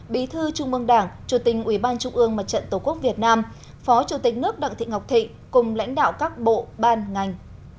bí thư trung mương đảng chủ tịch ubnd tổ quốc việt nam phó chủ tịch nước đặng thị ngọc thị cùng lãnh đạo các bộ ban ngành